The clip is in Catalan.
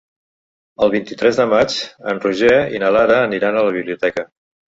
El vint-i-tres de maig en Roger i na Lara aniran a la biblioteca.